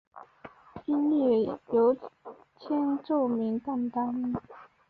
音乐由千住明担当。